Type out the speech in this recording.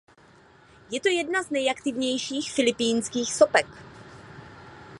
Je to jedna z nejaktivnějších filipínských sopek.